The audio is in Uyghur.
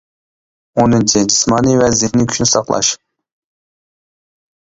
ئونىنچى، جىسمانىي ۋە زېھنى كۈچنى ساقلاش.